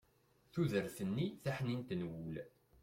tudert-nni taḥnint n wul